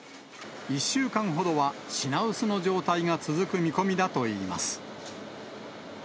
１週間ほどは品薄の状態が続く見込みだといいます。